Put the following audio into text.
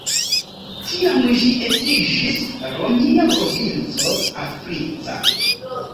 Tiam ĝi estiĝis romia provinco "Africa".